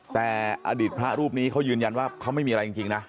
แต่อดีตพระรูปนี้เขายืนยันว่าเขาไม่มีอะไรจริงนะ